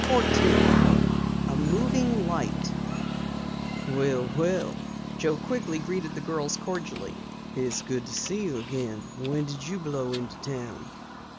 CHAPTER 14 A MOVING LIGHT "Well, well," Joe Quigley greeted the girls cordially. "It's good to see you again. When did you blow into town?"